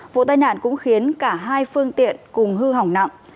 vụ tai nạn cũng khiến cả hai phương tiện cùng hư hỏng nặng